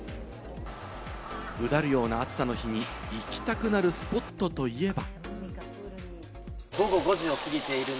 うだるような暑さの日に行きたくなるスポットといえば。